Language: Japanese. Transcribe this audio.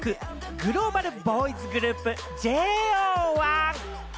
グローバルボーイズグループ・ＪＯ１。